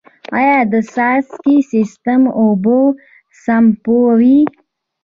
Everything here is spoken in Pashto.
آیا د څاڅکي سیستم اوبه سپموي؟